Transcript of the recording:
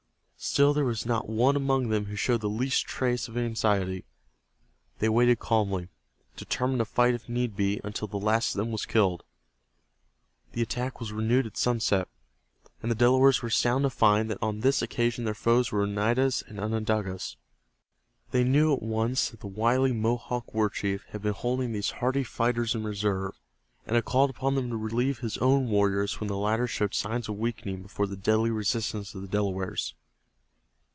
Still there was not one among them who showed the least trace of anxiety. They waited calmly, determined to fight if need be until the last of them was killed. The attack was renewed at sunset, and the Delawares were astounded to find that on this occasion their foes were Oneidas and Onondagas. They knew at once that the wily Mohawk war chief had been holding these hardy fighters in reserve, and had called upon them to relieve his own warriors when the latter showed signs of weakening before the deadly resistance of the Delawares.